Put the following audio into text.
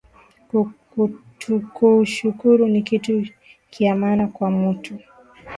Ku shukuru ni kitu kya maana kwa mutu